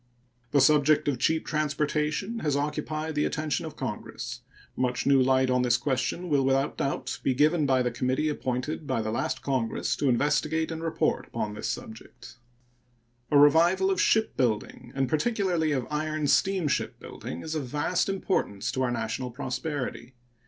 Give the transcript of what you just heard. The subject of cheap transportation has occupied the attention of Congress. Much new light on this question will without doubt be given by the committee appointed by the last Congress to investigate and report upon this subject. A revival of shipbuilding, and particularly of iron steamship building, is of vast importance to our national prosperity.